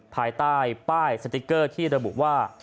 ภายใต้ป้ายสติ๊กเกอร์ที่ระบุว่า